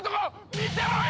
見てろよ！